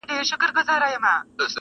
• خدای وو ښکلی پیدا کړی سر تر نوکه -